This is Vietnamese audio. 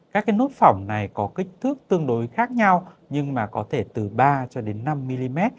các cái nốt phỏng này có kích thước tương đối khác nhau nhưng mà có thể từ ba cho đến năm mm